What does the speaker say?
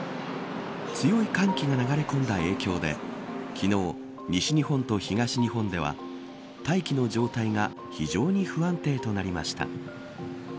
強い寒気が流れ込んだ影響で昨日、西日本と東日本では大気の状態が非常に不安定となりました。